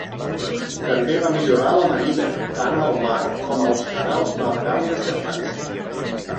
També va millorar la Marina, tant al mar com als canals navegables de França.